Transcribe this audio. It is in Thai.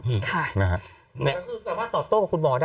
นี่คือสามารถตอบโต้กับคุณหมอได้